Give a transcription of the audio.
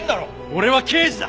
俺は刑事だ！